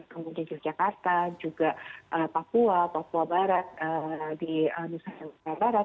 kemudian yogyakarta juga papua papua barat di nusa tenggara barat